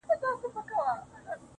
ما او تا د وخت له ښايستو سره راوتي يـو~